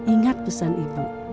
ingat pesan ibu